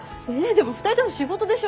でも２人とも仕事でしょ？